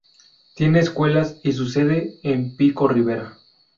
Tiene escuelas y su sede en Pico Rivera.